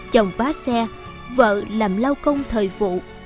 chồng vá xe vợ làm lau công thời vụ